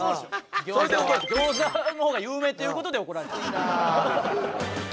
餃子の方が有名という事で怒られた。